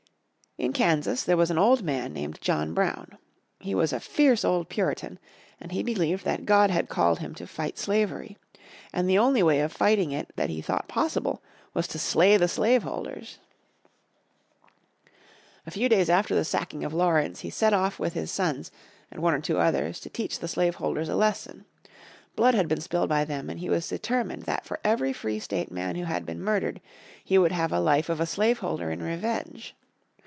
In Kansas there was an old man named John Brown. He was a fierce old Puritan, and he believed that God had called him to fight slavery. And the only way of fighting it that he thought possible was to slay the slave holders. A few days after the sacking of Lawrence he set off with his sons and one or two others to teach the slave holders a lesson. Blood had been spilled by them, and he was determined that for every free state man who had been murdered he would have a life of a slave holder in revenge.